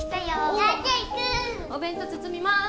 お弁当包みます